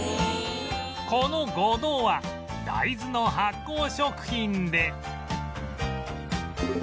このごどは大豆の発酵食品で